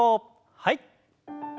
はい。